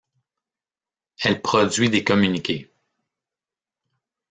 Elle produit des communiqués.